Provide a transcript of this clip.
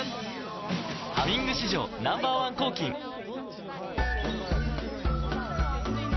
「ハミング」史上Ｎｏ．１抗菌あれ？